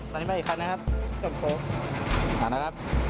ตอนนี้มาอีกครั้งนะครับ